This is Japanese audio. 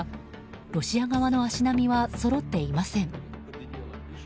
ロシア側の足並みはそろっていません。